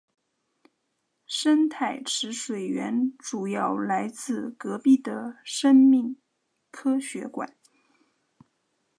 生态池水源主要来自隔壁的生命科学馆。